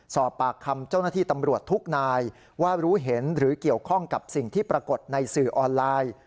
สอบปากคำเจ้าหน้าที่ตำรวจทุกนายว่ารู้เห็นหรือเกี่ยวข้องกับสิ่งที่ปรากฏในสื่อออนไลน์